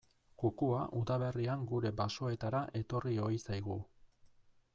Kukua udaberrian gure basoetara etorri ohi zaigu.